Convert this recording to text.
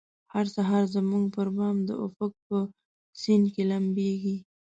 هر سهار زموږ پربام د افق په سیند کې لمبیږې